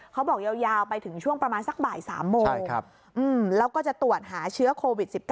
เขาบอกยาวไปถึงช่วงประมาณสักบ่าย๓โมงแล้วก็จะตรวจหาเชื้อโควิด๑๙